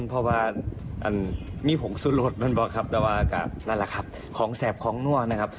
เอ้าประจันทร์คุณผู้ชม